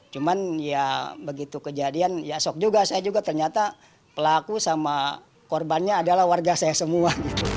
cuman ya begitu kejadian ya sok juga saya juga ternyata pelaku sama korbannya adalah warga saya semua